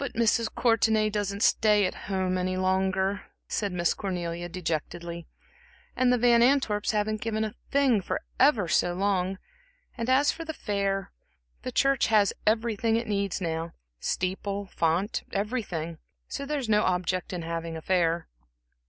"But Mrs. Courtenay doesn't stay at home any longer," said Miss Cornelia, dejectedly, "and the Van Antwerps haven't given a thing for ever so long, and as for the fair the church has everything it needs now steeple, font, everything, so there is no object in having a fair."